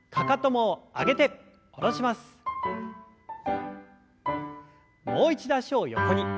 もう一度脚を横に。